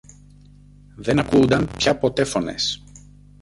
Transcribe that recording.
Δεν ακούουνταν πια ποτέ φωνές.